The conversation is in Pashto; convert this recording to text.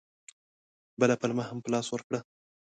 بله پلمه هم په لاس ورکړه.